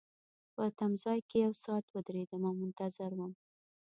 په تمځای کي یو ساعت ودریدم او منتظر وم.